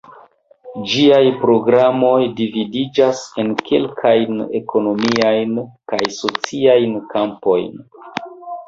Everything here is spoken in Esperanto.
Ĝiaj programoj dividiĝas en kelkajn ekonomiajn kaj sociajn kampojn.